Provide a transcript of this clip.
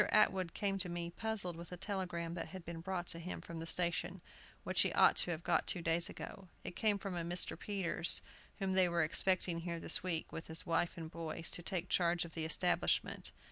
Atwood came to me, puzzled with a telegram that had been brought to him from the station, which he ought to have got two days ago. It came from a Mr. Peters, whom they were expecting here this week, with his wife and boys, to take charge of the establishment.